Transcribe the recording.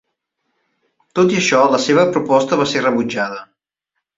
Tot i això, la seva proposta va ser rebutjada.